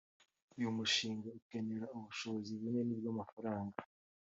uyu mushinga ukenera ubushobozi bunini bw’amafaranga